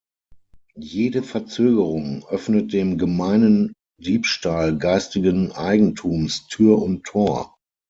Jede Verzögerung öffnet dem gemeinen Diebstahl geistigen Eigentums Tür und Tor.